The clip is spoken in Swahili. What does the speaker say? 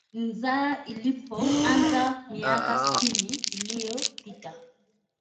Idhaa ilipoanza miakasitini iliyopita